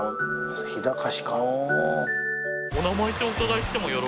日高市か。